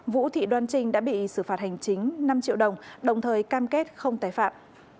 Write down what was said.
vũ thị đoan trinh đã bị xử phạt hành chính năm triệu đồng đồng thời cam kết không tái phạm